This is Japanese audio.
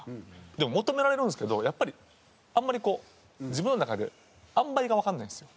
でも求められるんですけどやっぱりあんまりこう自分の中であんばいがわからないんですよ。